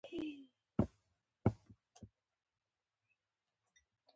د هېوادنيو ګټو لپاره بايد پر يوه لاره ولاړ شو.